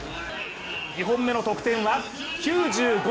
２本目の得点は９５．８０。